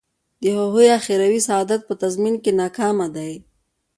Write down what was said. د هغوی اخروي سعادت په تضمین کې ناکامه دی.